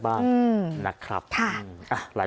โปรดติดตามต่อไป